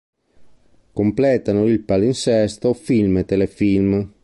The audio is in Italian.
Completano il palinsesto film e telefilm.